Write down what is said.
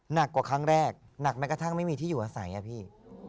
หนักกว่าครั้งแรกหนักแม้กระทั่งไม่มีที่อยู่อาศัยอะพี่